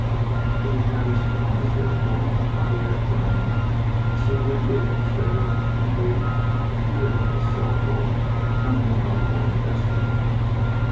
He was rather surprised therefore, one Friday afternoon, to see Wingate, Steger, and Leigh appear at his cell door, accompanied by Warden Desmas.